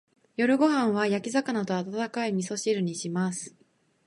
晩ご飯は焼き魚と温かい味噌汁にします。